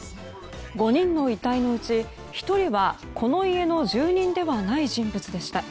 ５人の遺体のうち１人はこの家の住人ではない人物でした。